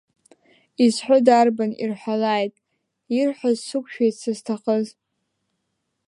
Изҳәо дарбан, ирҳәалааит, ирҳәаз сықәшәеит сызҭахыз.